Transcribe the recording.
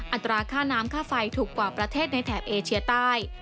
อัตราค่าน้ำค่าไฟถูกกว่าประเทศในแถบเอเชียใต้